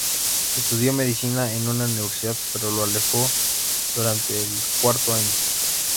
Estudió medicina en una universidad, pero lo dejó durante el cuarto año.